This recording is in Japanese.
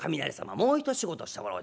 もう一仕事してもらおう。